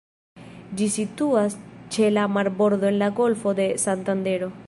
Ĝi situas ĉe la marbordo en la Golfo de Santandero.